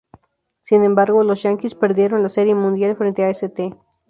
Sin embargo, los Yankees perdieron la Serie Mundial frente a St.